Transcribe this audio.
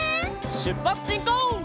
しゅっぱつしんこう！